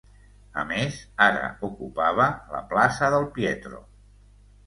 A més, ara ocupava la plaça del Pietro.